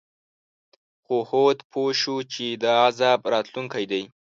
خو هود پوه شو چې دا عذاب راتلونکی دی.